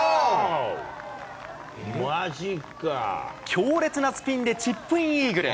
強烈なスピンでチップインイーグル。